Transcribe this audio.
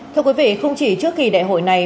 thưa quý vị không chỉ trước kỳ đại hội này